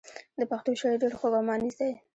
د پښتو شعر ډېر خوږ او مانیز دی.